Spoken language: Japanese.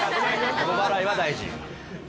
リボ払いは大事。